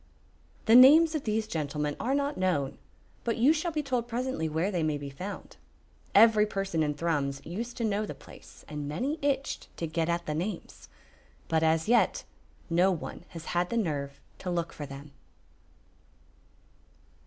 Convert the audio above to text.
The names of these gentlemen are not known, but you shall be told presently where they may be found. Every person in Thrums used to know the place, and many itched to get at the names, but as yet no one has had the nerve to look for them.